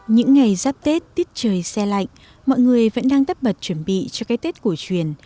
những ngày giáp tết tiết trời xe lạnh mọi người vẫn đang tất bật chuẩn bị cho cái tết cổ truyền